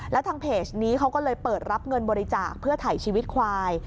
แล้วทางเพจนี้เขาก็เลยเปิดรับเงินบริจาคเพื่อถ่ายชีวิตควาย